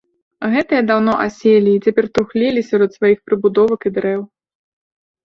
Гэтыя даўно аселі і цяпер трухлелі сярод сваіх прыбудовак і дрэў.